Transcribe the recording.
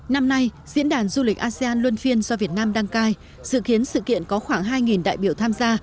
năm nay diễn đàn du lịch asean luân phiên do việt nam đăng cai dự kiến sự kiện có khoảng hai đại biểu tham gia